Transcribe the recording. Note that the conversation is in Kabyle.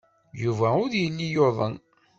Yuba ur yelli yuḍen.